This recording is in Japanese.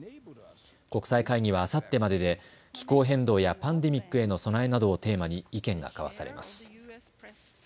国際会議はあさってまでで気候変動やパンデミックへの備えなどをテーマに意見が交わされます。